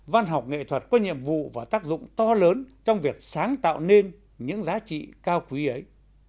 văn học nghệ thuật có nhiệm vụ và tác dụng to lớn trong việc sáng tạo nên những giá trị cao quý ấy